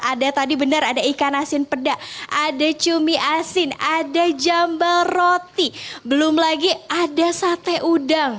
ada tadi benar ada ikan asin pedak ada cumi asin ada jambal roti belum lagi ada sate udang